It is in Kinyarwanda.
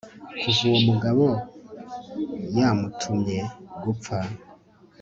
Kuva uwo mugabo yamutumye gupfa